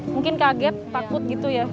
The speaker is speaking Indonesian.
mungkin kaget takut gitu ya